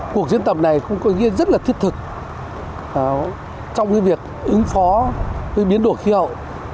cuộc diễn tập này cũng có ý nghĩa rất là thiết thực trong việc ứng phó với biến đổi khí hậu